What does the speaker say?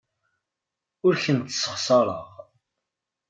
Ur kent-ssexṣareɣ.